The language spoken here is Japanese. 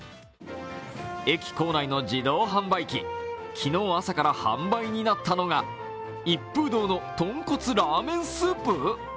駅構内の自動販売機、昨日朝から販売になったのが一風堂のとんこつラーメンスープ。